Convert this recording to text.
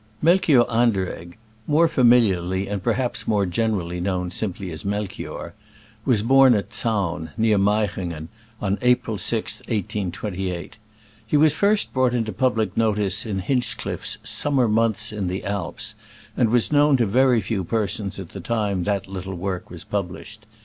Melchior Anderegg — more familiarly and perhaps more generally known sim ply as Melchior — ^was born at Zaun, near Meiringen, on April 6, 1828. He was first brought into public notice in H inch cliff 's Summer Months in the Alps, and was known to very few persons at the time that little work was published.